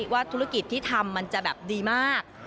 ว่าธุรกิจที่ทำมันจะแบบดีมาก